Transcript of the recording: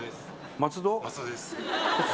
松戸です。